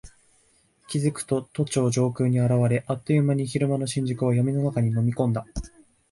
気付くと都庁上空に現れ、あっという間に昼間の新宿を闇の中に飲み込んだ。